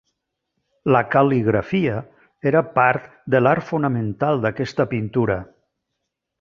La cal·ligrafia era part de l'art fonamental d'aquesta pintura.